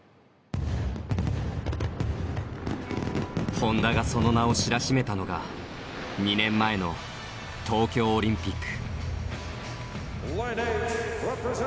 本多がその名を知らしめたのが２年前の東京オリンピック。